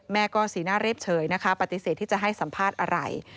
แม่ก็สีหน้าเรียบเฉยนะคะปฏิเสธที่จะให้สัมภาษณ์อะไร